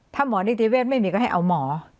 ถ้าหมอนิติเวทไม่มีก็ให้เอาหมอ